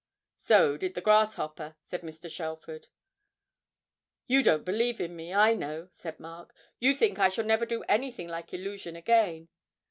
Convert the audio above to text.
'So did the grasshopper,' said Mr. Shelford. 'You don't believe in me, I know,' said Mark. 'You think I shall never do anything like "Illusion" again.